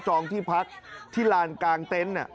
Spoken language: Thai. องที่พักที่ลานกลางเต็นต์